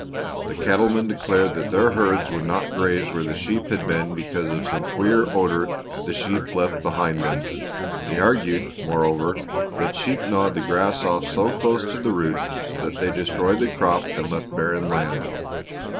The cattlemen declared that their herds would not graze where the sheep had been because of some queer odor the sheep left behind them; they argued, moreover, that sheep gnawed the grass off so close to the roots that they destroyed the crop and left barren land.